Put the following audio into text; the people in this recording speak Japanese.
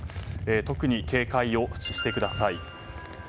特に警戒をしてください。